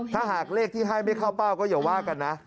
ถ้าหากเลขที่ให้ไม่เข้าเป้าก็อย่าว่ากันนะ